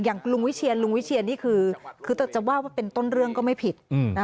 อย่างลุงวิเชียนลุงวิเชียนนี่คือจะว่าว่าเป็นต้นเรื่องก็ไม่ผิด